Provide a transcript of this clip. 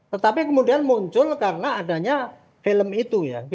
tetapi kemudian muncul karena adanya film itu ya